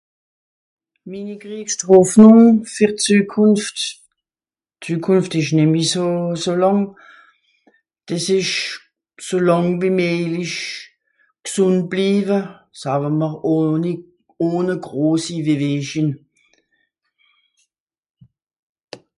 Mini greescht Hoffnung fìr d'Zukunft... d'Zukunft ìsch nemmi so, so làng. Dìs ìsch so làng wie mejlisch g'sùnd bliiwe, saawe m'r ohni, ohne grossi vewehsching.